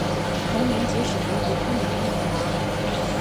同年结识德国姑娘叶华。